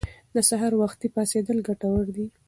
د سهار وختي پاڅیدل ګټور دي.